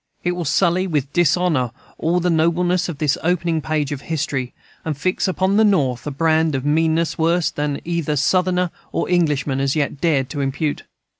It will sully with dishonor all the nobleness of this opening page of history, and fix upon the North a brand of meanness worse than either Southerner or Englishman has yet dared to impute.